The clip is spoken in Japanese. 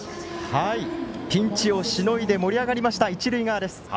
ピンチをしのいで盛り上がりました一塁側です。